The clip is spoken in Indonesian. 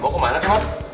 gue kemana om